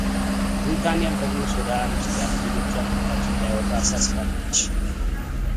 ብሪታኒያም ደግሞ ሱዳን ውስጥ ያሉ ዜጎቿ ከቤታቸው እንዳይወጡ አሳስባለች።